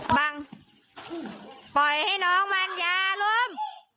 ปล่อยให้น้องมันยาล้ม